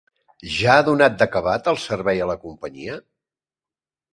Ja ha donat d'acabat el servei a la companyia?